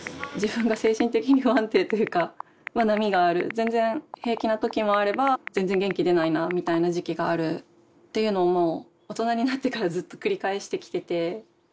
波がある全然平気な時もあれば全然元気出ないなみたいな時期があるっていうのも大人になってからずっと繰り返してきてて。